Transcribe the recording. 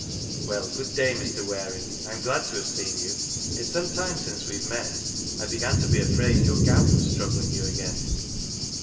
" Well, good day, Mr. Waring. I'm glad to have seen you. It's some time since we have met I began to be afraid your gout was troubling you again."